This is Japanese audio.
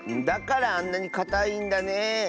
だからあんなにかたいんだねえ。